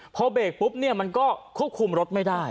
พอเบรกปุ๊บเนี่ยมันก็ควบคุมรถไม่ได้